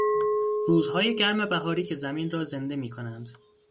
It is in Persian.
روزهای گرم بهاری که زمین را زنده میکند.